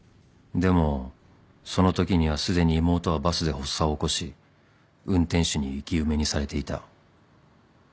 ［でもそのときにはすでに妹はバスで発作を起こし運転手に生き埋めにされていた］